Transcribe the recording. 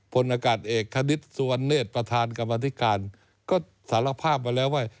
พลอากาศเอกธนิษฐ์สุวรรณเนธประธานกรรมธิการก็สารภาพมาแล้วว่า